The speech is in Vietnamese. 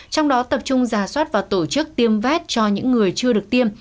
trong đó tập trung giả soát và tổ chức tiêm vét cho những người chưa được tiêm